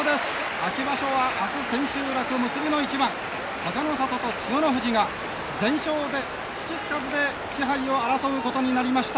秋場所はあす千秋楽、結びの一番隆の里と千代の富士が全勝で土つかずで賜杯を争うことになりました。